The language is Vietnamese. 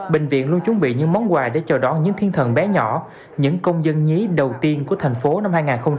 bệnh viện luôn chuẩn bị những món quà để chờ đón những thiên thần bé nhỏ những công dân nhí đầu tiên của thành phố năm hai nghìn hai mươi